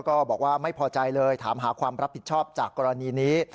ก็บอกว่าไม่พอใจเลยถามหาความรับผิดชอบจากกรณีนี้